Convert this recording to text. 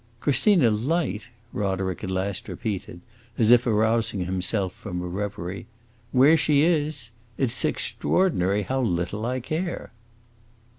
"Christina Light?" Roderick at last repeated, as if arousing himself from a reverie. "Where she is? It 's extraordinary how little I care!"